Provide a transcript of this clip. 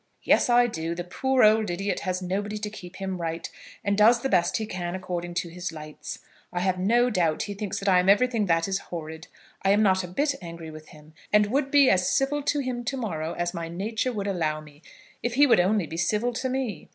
"Yes, I do. The poor old idiot has nobody to keep him right, and does the best he can according to his lights. I have no doubt he thinks that I am everything that is horrid. I am not a bit angry with him, and would be as civil to him to morrow as my nature would allow me, if he would only be civil to me."